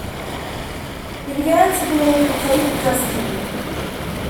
He began to believe in fate and destiny.